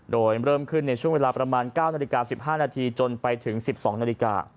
โดยเริ่มขึ้นในช่วงเวลาประมาณ๙นาฬิกา๑๕นาทีจนไปถึง๑๒นาฬิกา